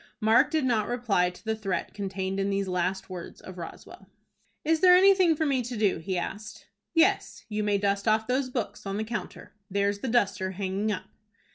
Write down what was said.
Mark did not reply to the threat contained in these last words of Roswell. "Is there anything for me to do?" he asked. "Yes, you may dust off those books on the counter. There's the duster hanging up."